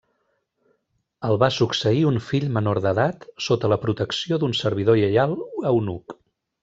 El va succeir un fill menor d'edat sota la protecció d'un servidor lleial eunuc.